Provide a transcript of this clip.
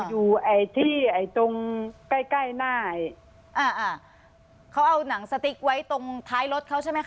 อยู่ไอ้ที่ไอ้ตรงใกล้ใกล้หน้าอ่าอ่าเขาเอาหนังสติ๊กไว้ตรงท้ายรถเขาใช่ไหมค